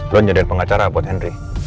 lo nyadar pengacara buat henry